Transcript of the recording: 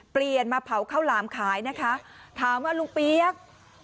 เปลี่ยนมาเผาข้าวหลามขายนะคะถามว่าลุงเปี๊ยก